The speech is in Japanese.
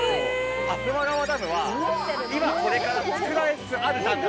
足羽川ダムは今これから造られつつあるダム。